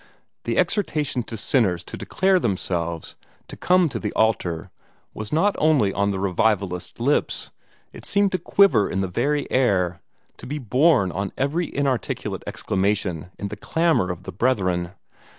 The exhortation to sinners to declare themselves, to come to the altar, was not only on the revivalist's lips: it seemed to quiver in the very air, to be borne on every inarticulate exclamation in the clamor of the brethren.